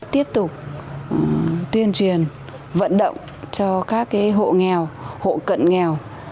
tiếp tục tuyên truyền vận động cho các hộ nghèo hộ cận nghèo